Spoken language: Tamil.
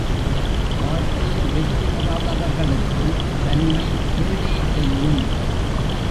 வாழ்க்கையில் வெற்றி பெறாதவர்களுக்கு தனிமை கேடே செய்யும்.